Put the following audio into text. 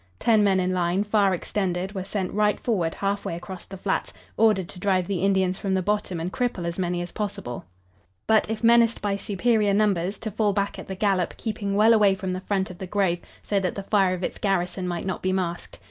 Ten men in line, far extended, were sent right forward half way across the flats, ordered to drive the Indians from the bottom and cripple as many as possible; but, if menaced by superior numbers, to fall back at the gallop, keeping well away from the front of the grove, so that the fire of its garrison might not be "masked."